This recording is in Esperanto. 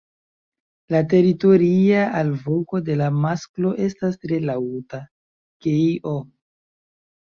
La teritoria alvoko de la masklo estas tre laŭta "kej-oh".